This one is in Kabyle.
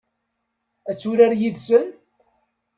Ad turar yid-sen?